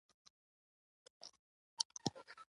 ازادي راډیو د طبیعي پېښې په اړه د مجلو مقالو خلاصه کړې.